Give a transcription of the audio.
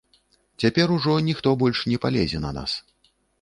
Цяпер ужо ніхто больш не палезе на нас.